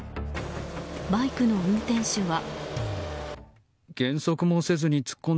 バイクの運転手は。